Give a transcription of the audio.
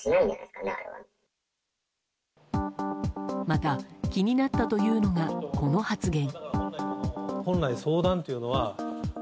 また気になったというのがこの発言。